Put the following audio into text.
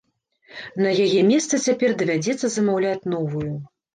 На яе месца цяпер давядзецца замаўляць новую.